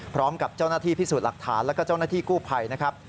พร้อมกับเจ้าหน้าที่พิสูจน์หลักฐานแล้วก็เจ้าหน้าที่กู้ภัยนะครับ